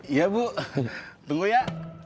iya bu tunggu ya